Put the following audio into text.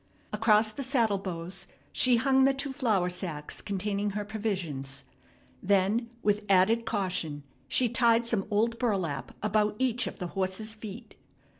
Across the saddle bows she hung the two flour sacks containing her provisions. Then with added caution she tied some old burlap about each of the horse's feet.